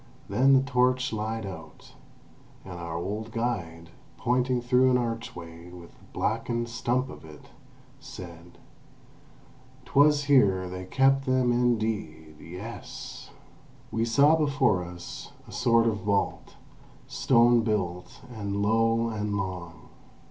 Then the torch lied out, and our old guide, pointing through an archway with the blackened stump of it, said: "'Twas here they kept them indeed, yes!" We saw before us a sort of vault, stone built, and low, and long.